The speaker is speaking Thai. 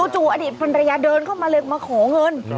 จู่อดีตภรรยาเดินเข้ามาเลยมาขอเงิน